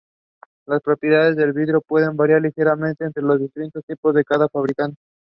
Andersen would not improve throughout the competition.